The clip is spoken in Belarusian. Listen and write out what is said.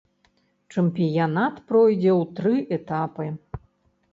Чэмпіянат пройдзе ў тры этапы.